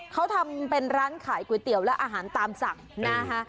เขาทำเป็นร้านขายก๋วยเตี๋ยวและอาหารตามสั่งนะคะ